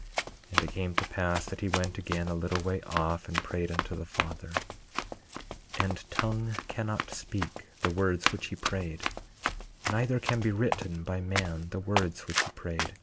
19:31 And it came to pass that he went again a little way off and prayed unto the Father; 19:32 And tongue cannot speak the words which he prayed, neither can be written by man the words which he prayed.